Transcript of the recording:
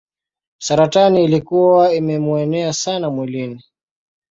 Saratani ilikuwa imemuenea sana mwilini.